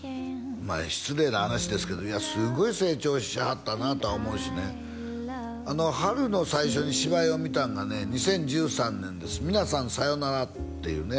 まあ失礼な話ですけどいやすごい成長しはったなと思うしね波瑠の最初に芝居を見たんがね２０１３年です「みなさん、さようなら」っていうね